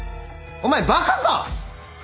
お前バカか！